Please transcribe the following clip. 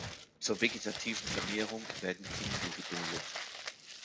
Zur vegetativen Vermehrung werden Kindel gebildet.